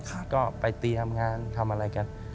ก็ไปเตรียมงานทำอะไรกัน